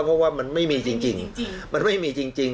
เพราะว่ามันไม่มีจริง